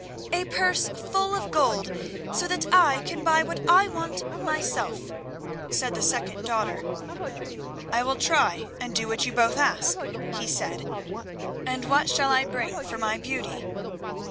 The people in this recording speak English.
"A purse full of gold so that I can buy what I want myself," said the second daughter. "I will try and do what you both ask," he said, "and what shall I bring for my Beauty?"